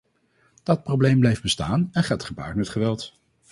Dat probleem blijft bestaan en gaat gepaard met geweld.